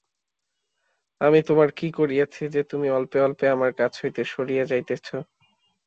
আমি তোমার কী করিয়াছি যে, তুমি অল্পে অল্পে আমার কাছ হইতে সরিয়া যাইতেছ?